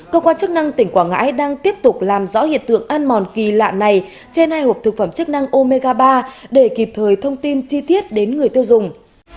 cơ quan chức năng tỉnh quảng ngãi đang tiếp tục làm rõ hiện tượng ăn mòn kỳ lạ này trên hai hộp thực phẩm chức năng omega ba để kịp thời thông tin chi tiết đến người tiêu dùng